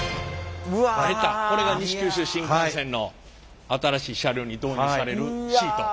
これが西九州新幹線の新しい車両に導入されるシート。